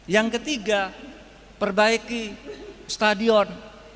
yang ketiga perbaiki stadion